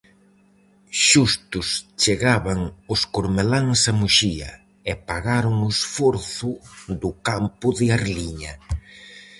Xustos chegaban os cormeláns a Muxía e pagaron o esforzo do campo de Arliña.